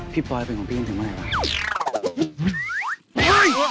พลอยเป็นของพี่จนถึงเมื่อไหร่วะ